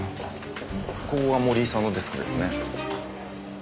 ここが森井さんのデスクですね。